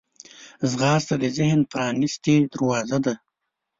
ځغاسته د ذهن پرانستې دروازې ده